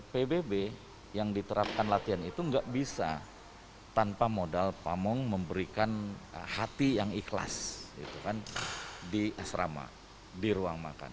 pbb yang diterapkan latihan itu nggak bisa tanpa modal pamong memberikan hati yang ikhlas di asrama di ruang makan